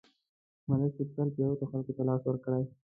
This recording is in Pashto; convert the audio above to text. ملک صاحب تل پرېوتو خلکو ته لاس ورکړی